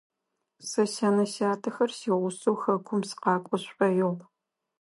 Сэ сянэ-сятэхэр сигъусэу хэкум сыкъакӏо сшӏоигъу.